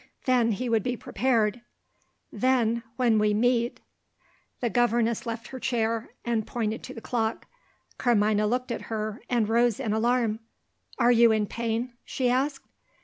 Then he would be prepared. Then, when we meet !" The governess left her chair, and pointed to the clock. Carmina looked at her and rose in alarm. "Are you in pain?" she asked.